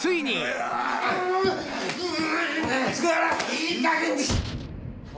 いいかげんに！